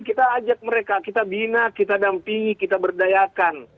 kita ajak mereka kita bina kita dampingi kita berdayakan